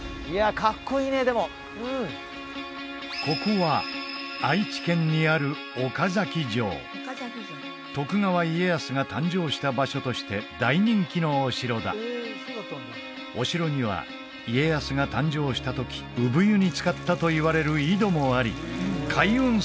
ここは愛知県にある岡崎城徳川家康が誕生した場所として大人気のお城だお城には家康が誕生したとき産湯に使ったといわれる井戸もあり開運